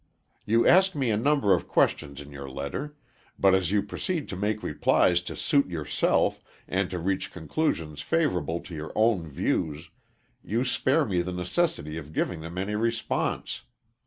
You ask me a number of questions in your letter, but as you proceed to make replies to suit yourself, and to reach conclusions favorable to your own views, you spare me the necessity of giving them any response.